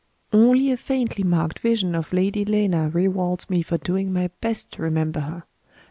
Only a faintly marked vision of Lady Lena rewards me for doing my best to remember her.